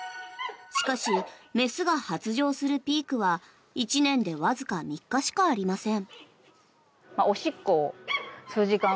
しかし、雌が発情するピークは１年でわずか３日しかありません。